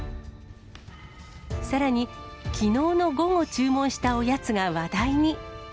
さらに、きのうの午後注文したおやつが話題に。